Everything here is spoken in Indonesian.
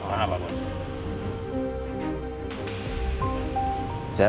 saya mau cari yang mampu